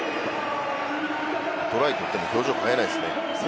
トライを取っても表情を変えないですね。